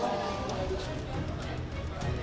sepi banget deh